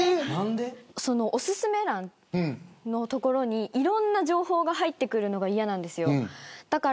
おすすめ欄の所にいろんな情報が入ってくるのが嫌なんです。